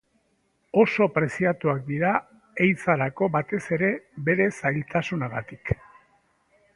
Oso preziatuak dira ehizarako, batez ere bere zailtasunagatik.